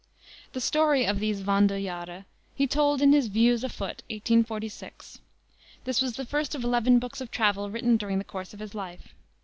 The story of these Wanderjahre he told in his Views Afoot, 1846. This was the first of eleven books of travel written during the course of his life.